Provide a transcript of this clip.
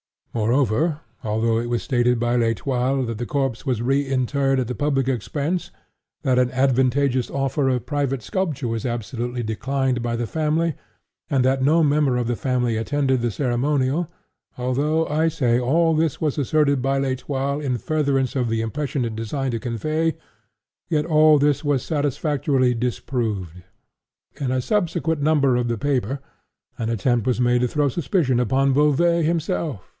Moreover, although it was stated by L'Etoile, that the corpse was re interred at the public expense—that an advantageous offer of private sculpture was absolutely declined by the family—and that no member of the family attended the ceremonial;—although, I say, all this was asserted by L'Etoile in furtherance of the impression it designed to convey—yet all this was satisfactorily disproved. In a subsequent number of the paper, an attempt was made to throw suspicion upon Beauvais himself.